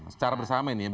secara bersama ini ya